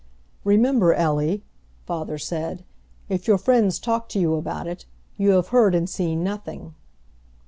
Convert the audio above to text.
"Remember, Ellie," father said, "if your friends talk to you about it, you have heard and seen nothing."